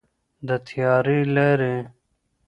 د تیارې لارې.